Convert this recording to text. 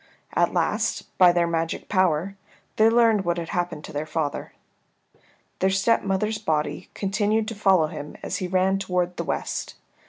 At last, by their magic power, they learned what had happened to their father. Their stepmother's body continued to follow him as he ran towards the west.